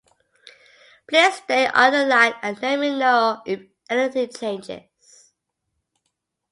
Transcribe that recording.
Please stay on the line and let me know if anything changes.